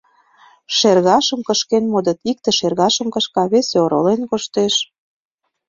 Шергашым кышкен модыт: икте шергашым кышка, весе оролен коштеш.